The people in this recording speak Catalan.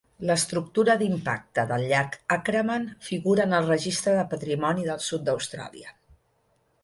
L'estructura d'impacte del llac Acraman figura en el Registre de Patrimoni del Sud d'Austràlia.